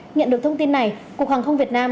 nhận được thông tin này cục hàng không việt nam